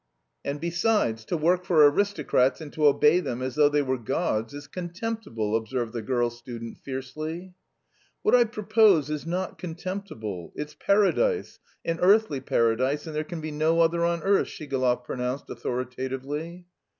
"And besides, to work for aristocrats and to obey them as though they were gods is contemptible!" observed the girl student fiercely. "What I propose is not contemptible; it's paradise, an earthly paradise, and there can be no other on earth," Shigalov pronounced authoritatively.